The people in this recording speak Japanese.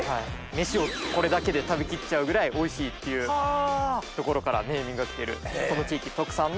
飯をこれだけで食べ切っちゃうぐらいおいしいっていうところからネーミングがきてるこの地域特産の。